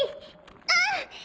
うん！